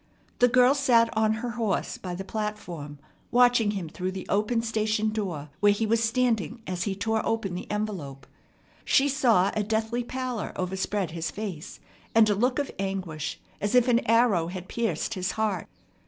The girl sat on her horse by the platform, watching him through the open station door where he was standing as he tore open the envelope. She saw a deathly pallor overspread his face, and a look of anguish as if an arrow had pierced his heart.